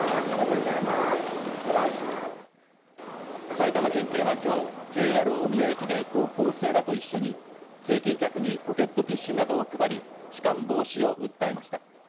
埼玉県警はきょう、ＪＲ大宮駅で高校生らと一緒に通勤客にポケットティッシュなどを配り、痴漢防止を訴えました。